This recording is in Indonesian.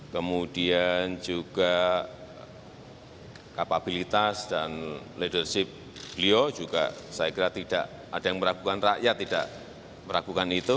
kemudian juga kapabilitas dan leadership beliau juga saya kira tidak ada yang meragukan rakyat tidak meragukan itu